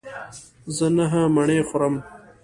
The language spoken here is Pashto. زه نهه مڼې خورم.